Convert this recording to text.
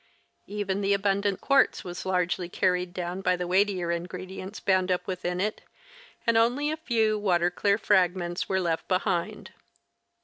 Even the abundant quartz was largely carried down by the weightier ingredi ents bound up within it, and only a few water clear fragments were left behind.